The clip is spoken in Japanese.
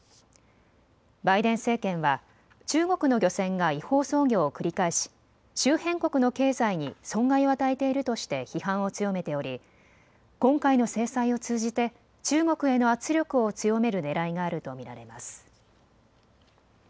バイデン政権は中国の漁船が違法操業を繰り返し周辺国の経済に損害を与えているとして批判を強めており今回の制裁を通じて中国への圧力を強めるねらいがあると見られます。